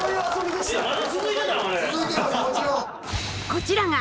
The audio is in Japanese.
［こちらが］